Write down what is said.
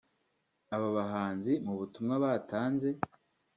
Aba bahanzi mu butumwa batanze